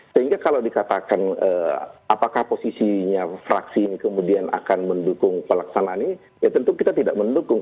sehingga kalau dikatakan apakah posisinya fraksi ini kemudian akan mendukung pelaksanaan ini ya tentu kita tidak mendukung